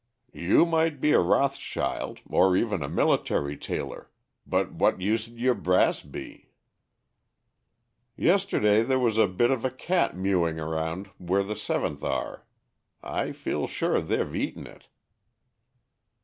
"You might be a Rothschild, or even a military tailor, but what use'd your brass be?" "Yesterday there was a bit of a cat mewing round where the 7th are. I feel sure they've eaten it."